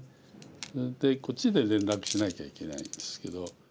それでこっちで連絡しなきゃいけないんですけど。